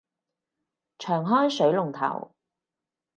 長開水龍頭